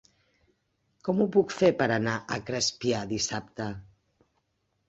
Com ho puc fer per anar a Crespià dissabte?